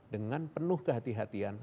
dengan penuh kehati hatian